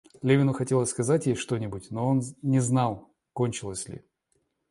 Левину хотелось сказать ей что-нибудь, но он не знал, кончилось ли.